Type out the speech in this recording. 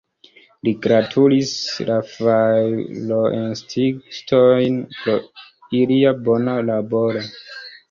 Li gratulis la fajroestingistojn pro ilia bona laboro.